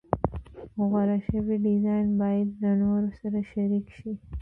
غوره شوی ډیزاین باید له نورو سره شریک شي.